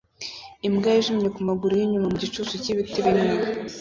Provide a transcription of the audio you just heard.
Imbwa yijimye kumaguru yinyuma mugicucu cyibiti bimwe